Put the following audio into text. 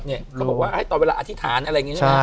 เขาบอกว่าให้ตอนเวลาอธิษฐานอะไรอย่างนี้ใช่ไหม